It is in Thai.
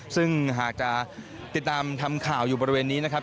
ซึ่งหากจะติดตามทำข่าวอยู่บริเวณนี้นะครับ